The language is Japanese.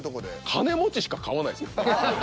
金持ちしか飼わないですもんね。